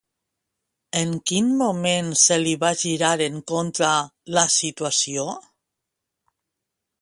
En quin moment se li va girar en contra la situació?